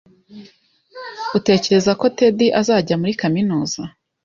Utekereza ko Ted azajya muri kaminuza?